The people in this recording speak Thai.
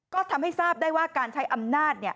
ก็ทำให้ทราบได้ว่าการใช้อำนาจ